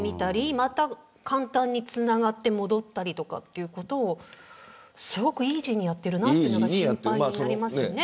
また簡単につながって戻ったりとかをすごくイージーにやってるのが心配になりますよね。